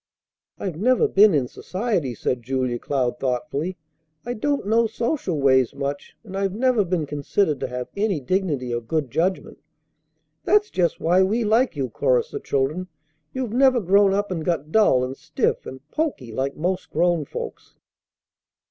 "I've never been in society," said Julia Cloud thoughtfully. "I don't know social ways much, and I've never been considered to have any dignity or good judgment." "That's just why we like you," chorused the children. "You've never grown up and got dull and stiff and poky like most grown folks."